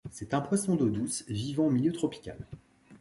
C'est un poisson d'eau douce vivant en climat tropical.